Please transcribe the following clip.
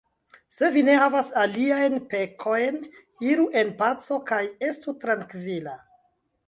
Se vi ne havas aliajn pekojn, iru en paco kaj estu trankvila!